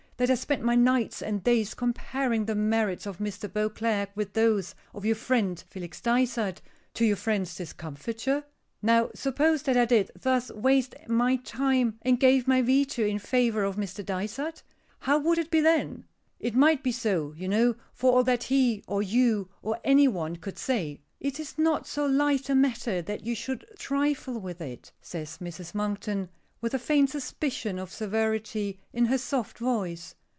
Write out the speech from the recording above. that I spent my nights and days comparing the merits of Mr. Beauclerk with those of your friend, Felix Dysart to your friend's discomfiture? Now, suppose that I did thus waste my time, and gave my veto in favor of Mr. Dysart? How would it be then? It might be so, you know, for all that he, or you, or any one could say." "It is not so light a matter that you should trifle with it," says Mrs. Monkton, with a faint suspicion of severity in her soft voice.